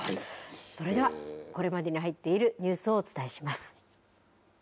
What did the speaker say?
それではこれまでに入っているニュースをお伝えします。